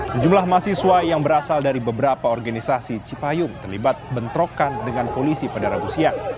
sejumlah mahasiswa yang berasal dari beberapa organisasi cipayung terlibat bentrokan dengan polisi pada rabu siang